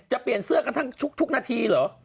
เปลี่ยนเสื้อกันทั้งทุกนาทีเหรอ